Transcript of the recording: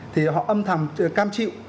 thì họ âm thầm cam chịu